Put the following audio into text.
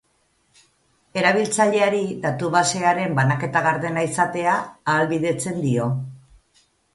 Erabiltzaileri datu-basearen banaketa gardena izatea ahalbidetzen dio.